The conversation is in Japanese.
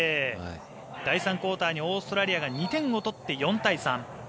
第３クオーターにオーストラリアが２点を取って４対３。